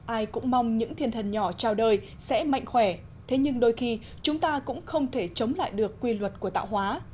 ai cũng mong những thiên thần nhỏ trao đời sẽ mạnh khỏe thế nhưng đôi khi chúng ta cũng không thể chống lại được quy luật của tạo hóa